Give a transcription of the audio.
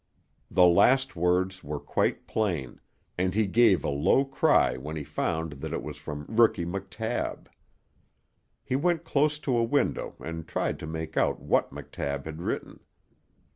The last words were quite plain, and he gave a low cry when he found that it was from Rookie McTabb. He went close to a window and tried to make out what McTabb had written.